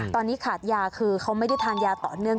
ตอนนี้ขาดยาคือเขาไม่ได้ทานยาต่อเนื่อง